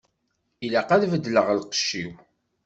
Ilaq ad beddleɣ lqecc-iw.